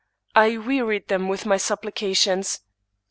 I wearied them with my supplications.